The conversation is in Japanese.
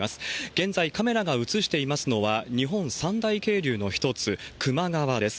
現在、カメラが映していますのは、日本三大渓流の一つ、球磨川です。